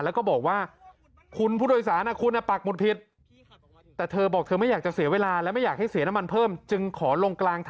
และก็บอกว่าคุณผู้โดยสารนะคุณปักหมดผิด